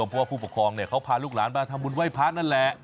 เพราะว่าผู้ปกครองเขาพาลูกหลานมาทำบุญไหว้พระนั่นแหละ